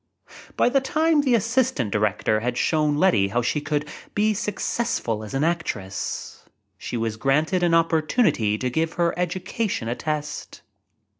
By the time the assistant director had shown Letty how she could be successful as an actress, she was granted an opportunity to give her educa tion a test.